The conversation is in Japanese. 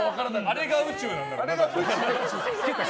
あれが宇宙なんだよね。